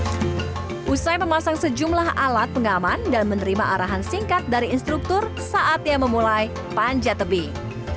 setelah memasang sejumlah alat pengaman dan menerima arahan singkat dari instruktur saat dia memulai panjat tebing